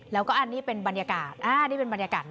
แล้วก็อันนี้เป็นบรรยากาศนี่เป็นบรรยากาศ